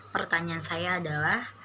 pertanyaan saya adalah